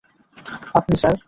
আপনি, স্যার!